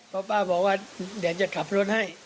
เพราะป้าบอกว่าเดี๋ยวจะขับรถให้